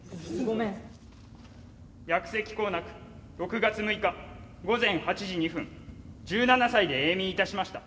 「薬石効なく６月６日午前８時２分１７歳で永眠いたしました」。